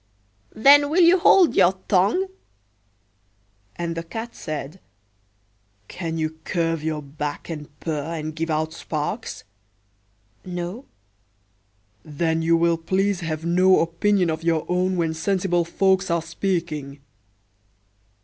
"Then will you hold your tongue!"And the Cat said, "Can you curve your back, and purr, and give out sparks?""No.""Then you will please have no opinion of your own when sensible folks are speaking."